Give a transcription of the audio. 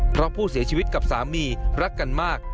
เพราะผู้เสียชีวิตกับสามีรักกันมาก